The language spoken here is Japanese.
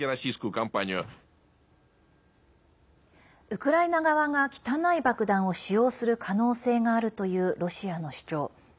ウクライナ側が汚い爆弾を使用する可能性があるというロシアの主張。